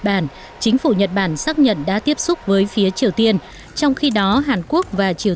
bản chính phủ nhật bản xác nhận đã tiếp xúc với phía triều tiên trong khi đó hàn quốc và triều